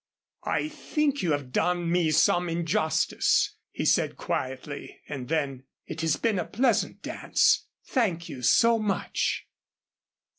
"I think you have done me some injustice," he said quietly, and then, "It has been a pleasant dance. Thank you so much."